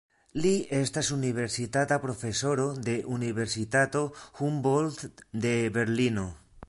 Li estas universitata profesoro de Universitato Humboldt de Berlino.